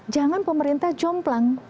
jangan pemerintah jomplang